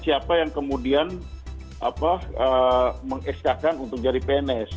siapa yang kemudian mengeskakan untuk jadi pns